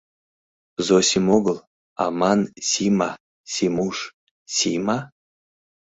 Зосим огыл, а ман — Сима, Симуш— Сима?!